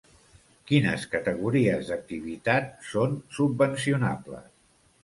Quines categories d'activitat són subvencionables?